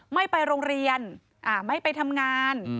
ไม่ไปโรงเรียนไม่ไปทำงาน